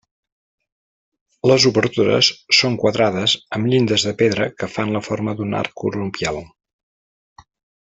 Les obertures són quadrades amb llindes de pedra que fan la forma d'un arc conopial.